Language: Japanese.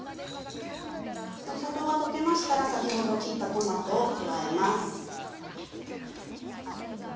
お砂糖が溶けましたら先ほど切ったトマトを加えます。